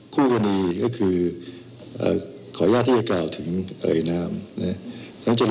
คู่คณีก็คือเอ่อขออนุญาตที่จะกล่าวถึงเอ่ยน้ำ